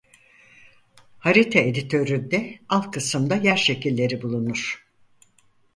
Harita editöründe alt kısımda yer şekilleri bulunur.